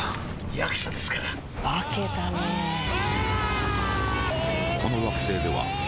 役者ですから化けたねうわーーー！